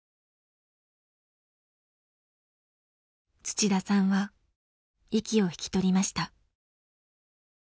土田さんは息を引き取りました。